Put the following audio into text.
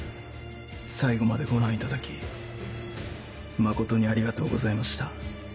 最後までご覧いただき誠にありがとうございました。